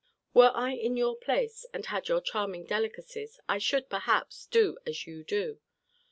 Were I in your place, and had your charming delicacies, I should, perhaps, do as you do.